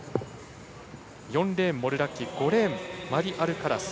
４レーン、モルラッキ５レーン、マリアルカラス。